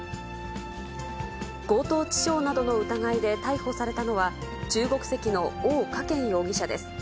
強盗致傷などの疑いで逮捕されたのは、中国籍の翁華萱容疑者です。